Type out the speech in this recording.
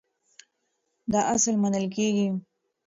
دا اصل منل کېږي.